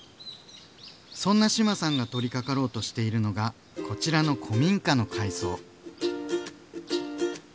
そんな志麻さんが取りかかろうとしているのがこちらの古民家の改装。